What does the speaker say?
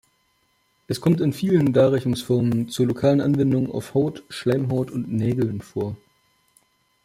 Es kommt in vielen Darreichungsformen zur lokalen Anwendung auf Haut, Schleimhaut und Nägeln vor.